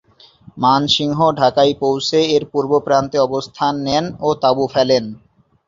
মান সিংহ ঢাকায় পৌছে এর পূর্ব প্রান্তে অবস্থান নেন ও তাঁবু ফেলেন।